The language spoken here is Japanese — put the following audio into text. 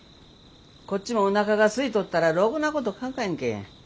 こっちもおなかがすいとったらろくなこと考えんけん。